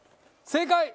正解！